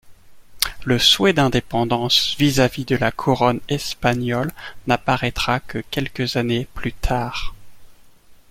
Le souhait d'indépendance vis-à-vis de la couronne espagnole n'apparaitra que quelques années plus tard.